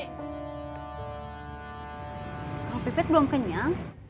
kalau pipit belum kenyang